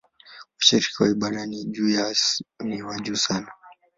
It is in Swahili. Ushiriki wa ibada ni wa juu sana.